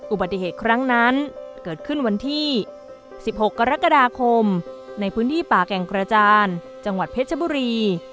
อุบัติเหตุครั้งนั้นเกิดขึ้นวันที่๑๖กรกฎาคมในพื้นที่ป่าแก่งกระจานจังหวัดเพชรบุรี